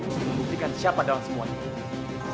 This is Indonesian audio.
untuk membuktikan siapa dalam semuanya